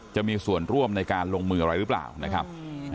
จะมีส่วนร่วมในการลงมืออะไรหรือเปล่านะครับ